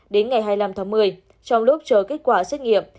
đến ngày hai mươi năm tháng một mươi trong lúc chờ kết quả xét nghiệm